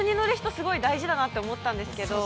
すごく大事だなと思ったんですけれども。